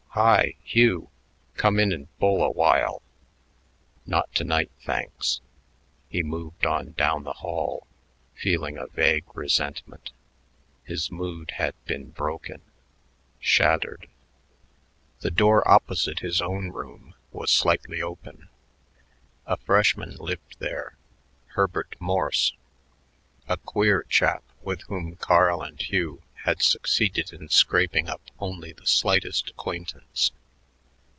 "Hi, Hugh. Come in and bull a while." "Not to night, thanks." He moved on down the hall, feeling a vague resentment; his mood had been broken, shattered. The door opposite his own room was slightly open. A freshman lived there, Herbert Morse, a queer chap with whom Carl and Hugh had succeeded in scraping up only the slightest acquaintance.